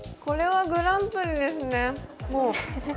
これはグランプリですね、もう。